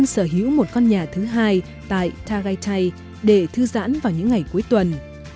sở hữu một con nhà thứ hai tại tagaytay để thư giãn vào những ngày cuối tuần